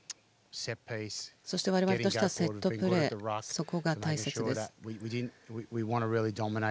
そして我々としてはセットプレーそこが大切です。